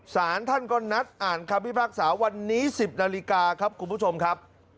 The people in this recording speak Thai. สารท่านก็นัดอ่านคำพิพากษาวันนี้๑๐นาฬิกาครับคุณผู้ชมครับ